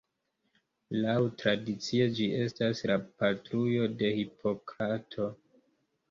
Laŭtradicie ĝi estas la patrujo de Hipokrato.